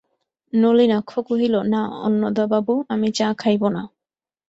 নলিনাক্ষ কহিল, না অন্নদাবাবু, আমি চা খাইব না।